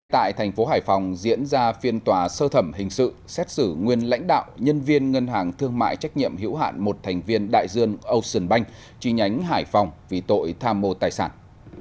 tại thành phố hải phòng diễn ra phiên tòa sơ thẩm hình sự xét xử nguyên lãnh đạo nhân viên ngân hàng thương mại trách nhiệm hiểu hạn một thành viên đại dương ocean bank chi nhánh hải phòng vì tội tham mô tài sản